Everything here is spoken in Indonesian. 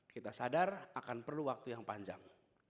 kita sadar akan perlu waktu yang panjang